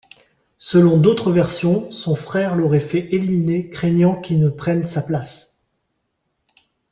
Selon d’autres versions, son frère l’aurait fait éliminer craignant qu’il ne prenne sa place.